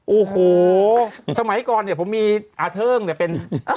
โอ้โหสมัยก่อนเนี่ยผมมีอาเทิงเนี่ยเป็น